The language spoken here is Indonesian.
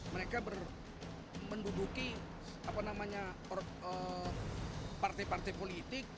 mereka menduduki partai partai politik